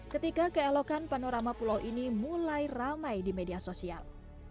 ketika keelokan panorama pulau ini mulai ramai di media sosial